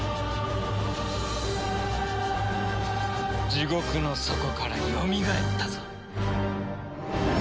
地獄の底からよみがえったぞ。